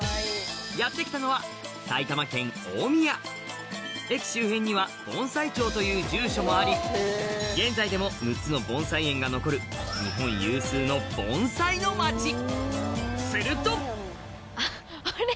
やって来たのは駅周辺には盆栽町という住所もあり現在でも６つの盆栽園が残るするとあれ？